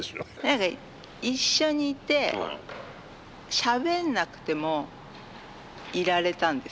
何か一緒にいてしゃべんなくてもいられたんですよ。